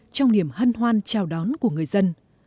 trong niềm hân hoan chào đón của người dân